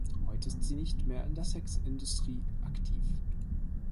Heute ist sie nicht mehr in der Sexindustrie aktiv.